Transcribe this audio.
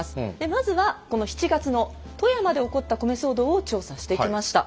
まずはこの７月の富山で起こった米騒動を調査してきました。